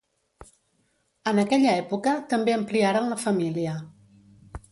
En aquella època també ampliaren la família.